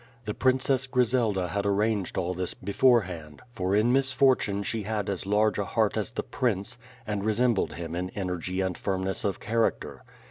The Princess Grizelda had arranged all this before hand^ for in misfortune she had as large a heart as the prince, and resembled him in energy and firmness of character.